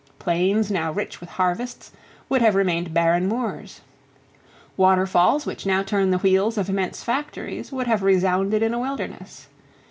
Plains now rich with harvests would have remained barren moors. Waterfalls which now turn the wheels of immense factories would have resounded in a wilderness.